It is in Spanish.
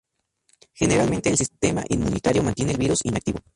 Generalmente, el sistema inmunitario mantiene el virus inactivo.